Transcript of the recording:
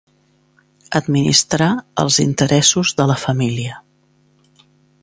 Administrar els interessos de la família.